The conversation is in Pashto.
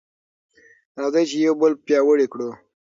راځئ چې یو بل پیاوړي کړو.